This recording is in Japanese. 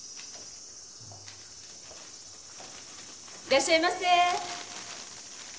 いらっしゃいませ。